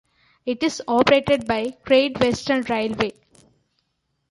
It is operated by Great Western Railway.